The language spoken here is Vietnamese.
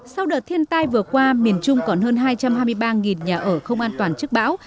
sau đợt thiên tai vừa qua miền trung còn hơn hai trăm hai mươi ba nhà ở không an toàn trước bão